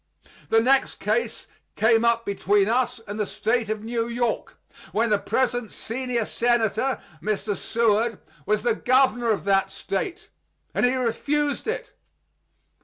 The next case came up between us and the State of New York, when the present senior senator [Mr. Seward] was the governor of that State; and he refused it.